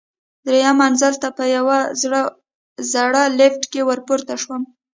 درېیم منزل ته په یوه زړه لفټ کې ورپورته شوم.